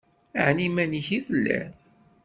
Ɛni iman-ik i telliḍ?